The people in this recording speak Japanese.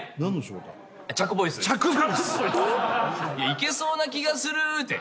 いけそうな気がするって。